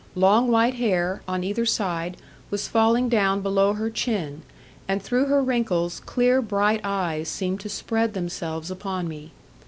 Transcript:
Long white hair, on either side, was falling down below her chin; and through her wrinkles clear bright eyes seemed to spread themselves upon me.